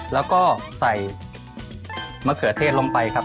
แล้วก็ใส่มะเขือเทศลงไปครับ